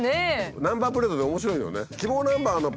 ナンバープレートって面白いよね。